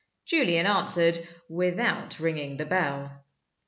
Julian answered without ringing the bell.